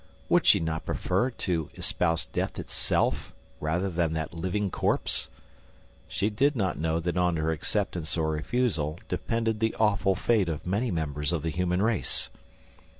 Would she not prefer to espouse death itself rather than that living corpse? She did not know that on her acceptance or refusal depended the awful fate of many members of the human race!